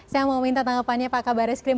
saya mau minta tanggapannya pak kabaris krim